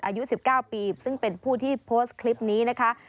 อายุ๑๙ปีซึ่งเป็นผู้ที่โพสต์คลิปนี้นะคะ